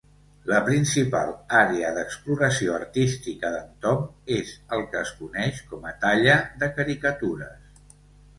La principal àrea d'exploració artística d'en Tom és el que es coneix com a talla de caricatures.